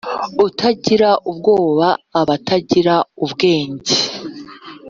Utagira ubwoba aba atagra ubwenge.